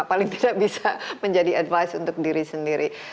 karena paling tidak bisa menjadi advice untuk diri sendiri